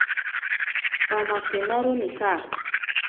Pamakenaro nija.